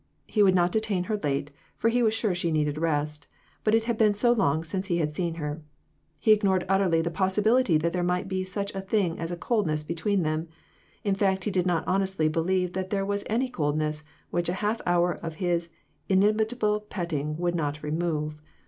He would not detain her late, for he was sure she needed rest ; but it had been so long since he had seen her ! He ignored utterly the possibility that there might be such a thing as a coldness between them ; in fact, he did not honestly believe that there was any coldness which a half hour of his inimitable petting would not remove.